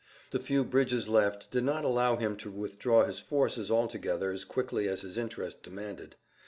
The few bridges left did not allow him to withdraw his forces altogether as quickly as his interest demanded.